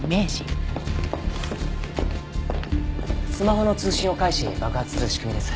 スマホの通信を介し爆発する仕組みです。